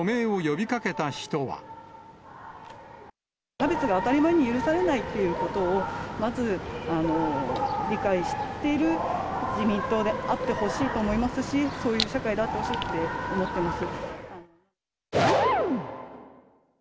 差別が当たり前に許されないということを、まず理解してる自民党であってほしいと思いますし、そういう社会であってほしいと思ってます。